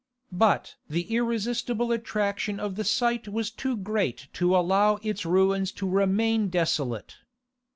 But the irresistible attraction of the site was too great to allow its ruins to remain desolate.